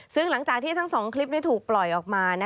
ซึ่งหลังจากที่ทั้ง๒คลิปนี้ถูกปล่อยออกมา